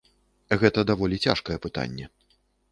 Гэта даволі цяжкае пытанне.